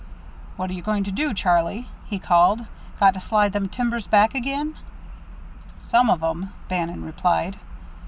"What are you going to do, Charlie?" he called. "Got to slide them timbers back again?" "Some of 'em," Bannon replied.